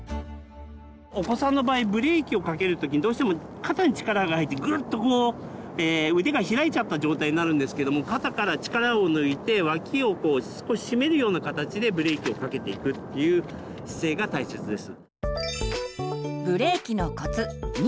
お子さんの場合ブレーキをかける時にどうしても肩に力が入ってグッとこう腕が開いちゃった状態になるんですけども肩から力を抜いて脇をこう少ししめるような形でブレーキをかけていくっていう姿勢が大切です。